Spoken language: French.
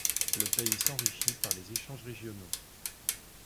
Le pays s'enrichit par les échanges régionaux.